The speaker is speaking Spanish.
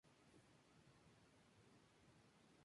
Más tarde vuelve el himno en los metales, como un cantus firmus.